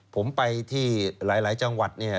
ผมไปที่หลายจังหวัดเนี่ย